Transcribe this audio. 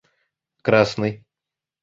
красный